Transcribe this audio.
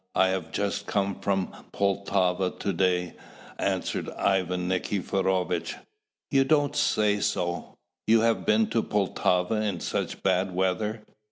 I have just come from Poltava to day," answered Ivan Nikiforovitch. "You don't say so! you have been to Poltava in such bad weather?"